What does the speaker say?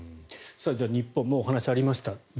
日本も、お話がありました